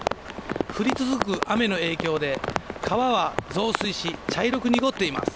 降り続く雨の影響で川は増水し茶色く濁っています。